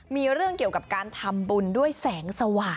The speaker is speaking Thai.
มีเรื่องเกี่ยวกับการทำบุญด้วยแสงสว่าง